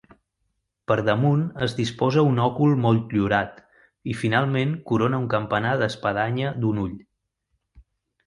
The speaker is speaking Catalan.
Per damunt es disposa un òcul motllurat i finalment corona un campanar d'espadanya d'un ull.